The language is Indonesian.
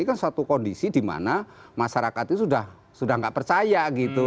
ini kan suatu kondisi dimana masyarakatnya sudah nggak percaya gitu